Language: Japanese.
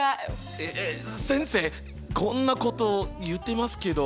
えっえっ先生こんなこと言ってますけど。